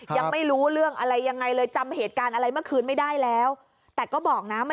ยังไม่รู้เรื่องอะไรอะไรอย่างไรเลย